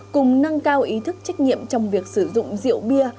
cùng nâng cao ý thức trách nhiệm trong việc sử dụng rượu bia